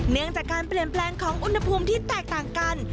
เนื่องจากการเปลี่ยนแปลงของอุณหภูมิที่แตกต่างกัน